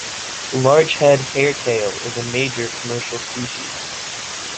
Largehead hairtail is a major commercial species.